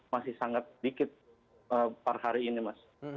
masih sangat sedikit per hari ini mas